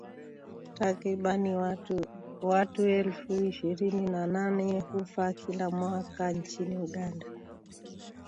Takriban watu elfu ishirini na nane hufa kila mwaka nchini Uganda